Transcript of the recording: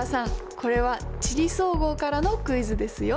これは「地理総合」からのクイズですよ。